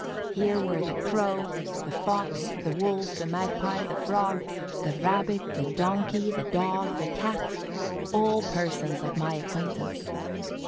Here were the Crow, the Fox, the Wolf, the Magpie, the Frog, the Rabbit, the Donkey, the Dog, the Cat; all persons of my acquaintance.